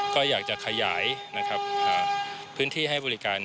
ก็อยากจะขยายพื้นที่ให้บริการ